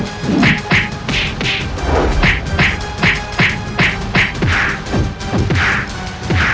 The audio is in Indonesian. neng mau ke temen temen kita